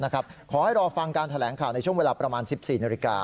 ขอให้รอฟังการแถลงข่าวในช่วงเวลาประมาณ๑๔นาฬิกา